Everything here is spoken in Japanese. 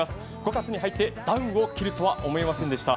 ５月に入ってダウンを着るとは思いませんでした。